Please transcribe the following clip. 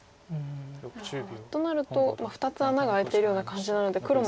となると２つ穴が開いてるような感じなので黒も。